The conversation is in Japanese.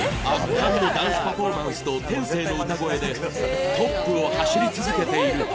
圧巻のダンスパフォーマンスと天性の歌声でトップを走り続けている。